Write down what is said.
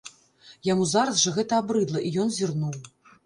Яму зараз жа гэта абрыдала, і ён зірнуў.